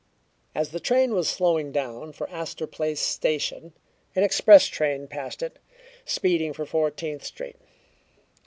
As the train was slowing down for Astor Place Station an express train passed it, speeding for Fourteenth Street.